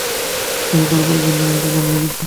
দয়া করে বলবেন না যে, ইঞ্জিন বন্ধ হয়ে গেছে।